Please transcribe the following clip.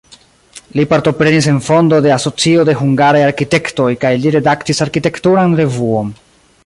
Li partoprenis en fondo de asocio de hungaraj arkitektoj kaj li redaktis arkitekturan revuon.